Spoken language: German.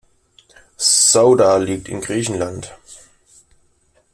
Souda liegt in Griechenland!